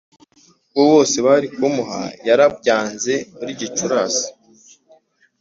wo wose bari kumuha Yarabyanze Muri Gicurasi